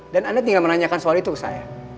dan anda tinggal menanyakan soal itu ke saya